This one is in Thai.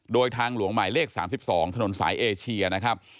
โดยทางหลวงหมายเลข๓๒ถนนสายเอเชียนะครับ